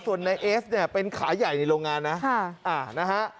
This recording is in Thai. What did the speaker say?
ส่วนในเอสเนี่ยเป็นขาใหญ่ในโรงงานนะนะฮะ